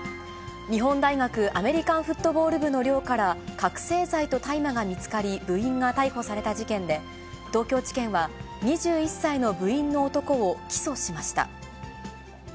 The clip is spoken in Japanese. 日本大学アメリカンフットボール部の寮から覚醒剤と大麻が見つかり、部員が逮捕された事件で、東京地検は、２１歳の部員の男を起訴しました。